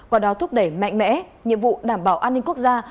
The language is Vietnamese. quả đáo thúc đẩy mạnh mẽ nhiệm vụ đảm bảo an ninh quốc gia